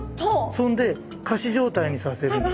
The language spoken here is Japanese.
そんで仮死状態にさせるんです。